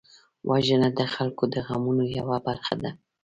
وژنه د خلکو د غمونو یوه برخه ده